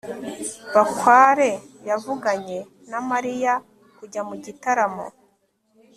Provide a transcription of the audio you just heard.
bakware yavuganye na mariya kujya mu gitaramo